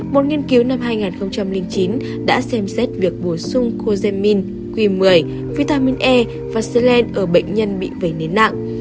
một nghiên cứu năm hai nghìn chín đã xem xét việc bổ sung cogemin q một mươi vitamin e và selen ở bệnh nhân bị vẩy nến nặng